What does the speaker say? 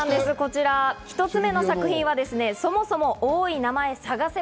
１つ目の作戦は、そもそも多い名前探せば？